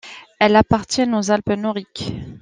Elles appartiennent aux Alpes noriques.